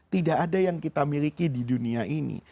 tidak ada yang kita miliki di dunia ini